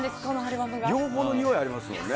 両方のにおいがありますよね。